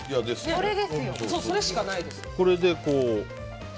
それしかないです。